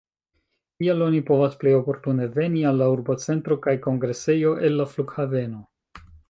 Kiel oni povas plej oportune veni al la urbocentro kaj kongresejo el la flughaveno?